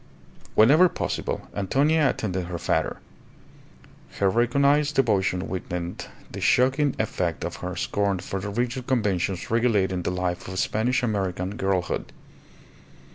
Whenever possible Antonia attended her father; her recognized devotion weakened the shocking effect of her scorn for the rigid conventions regulating the life of Spanish American girlhood.